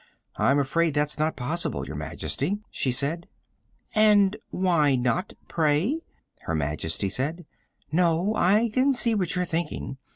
"I'm afraid that's not possible, Your Majesty," she said. "And why not, pray?" Her Majesty said. "No. I can see what you're thinking.